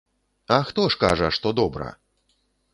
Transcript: А хто ж кажа, што добра?